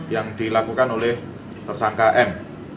yang dilakukan oleh tersangka m